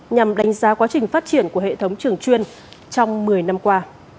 nhằm đánh giá quá trình phát triển của hệ thống trường chuyên trong một mươi năm qua